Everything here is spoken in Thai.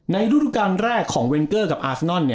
ในรูปการณ์แรกของเว้งเกอร์กับอาสนอน